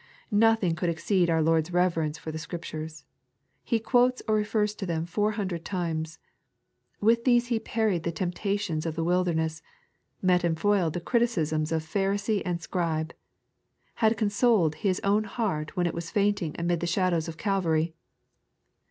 ITothing could exceed our Lord's reverence for the Scriptures. He quotes or refers to them four hundred times. With these He parried the temptations of the wilderness ; met and foiled the criticisms of Pharisee and Scribe ; and consoled His own heart when it was fainting amid the shadows of Calvary.